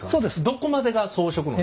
どこまでが装飾の？